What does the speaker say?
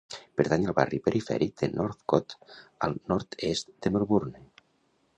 Pertany al barri perifèric de Northcote al nord-est de Melbourne.